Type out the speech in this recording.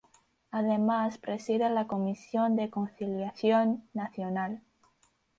Además, preside la Comisión de Conciliación Nacional.